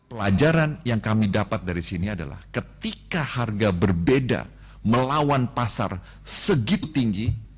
pelajaran yang kami dapat dari sini adalah ketika harga berbeda melawan pasar segitu tinggi